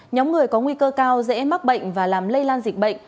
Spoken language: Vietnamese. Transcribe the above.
nhóm người có nguy cơ cao dễ mắc bệnh và làm lây lan dịch bệnh